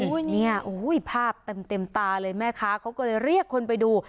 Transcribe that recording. เนี่ยภาพเต็มตาเลยแม่ค้าเขาก็เลยเรียกคนไปดู